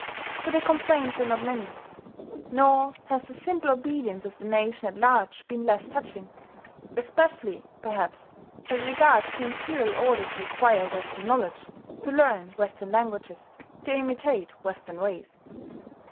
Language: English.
So the complaints are not many.... Nor has the simple obedience of the nation at large been less touching, especially, perhaps, as regards the imperial order to acquire Western knowledge, to learn Western languages, to imitate Western ways.